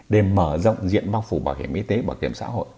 để mở rộng diện bảo hiểm y tế bảo hiểm xã hội